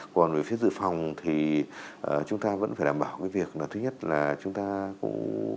còn về phía dự phòng thì chúng ta vẫn phải đảm bảo cái việc là thứ nhất là chúng ta cũng